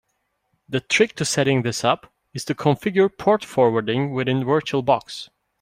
The trick to setting this up is to configure port forwarding within Virtual Box.